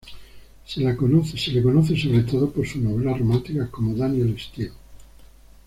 Se la conoce sobre todo por sus novelas románticas como Danielle Steel.